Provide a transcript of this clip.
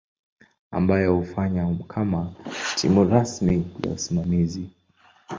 ambayo hufanya kama timu rasmi ya usimamizi.